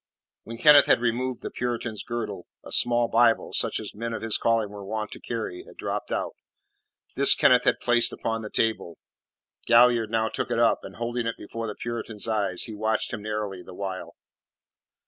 When Kenneth had removed the Puritan's girdle, a small Bible such as men of his calling were wont to carry had dropped out. This Kenneth had placed upon the table. Galliard now took it up, and, holding it before the Puritan's eyes, he watched him narrowly the while.